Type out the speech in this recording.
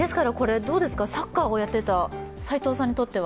サッカーをやってた齋藤さにとっては？